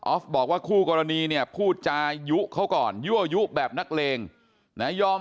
บอกว่าคู่กรณีเนี่ยพูดจายุเขาก่อนยั่วยุแบบนักเลงนะยอม